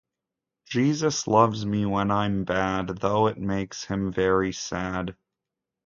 Jesus loves me when I'm bad, though it makes him very sad.